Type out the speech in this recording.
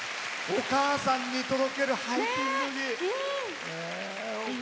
お母さんに届ける「ハイティーン・ブギ」。